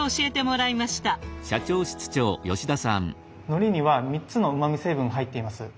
のりには３つのうまみ成分入っています。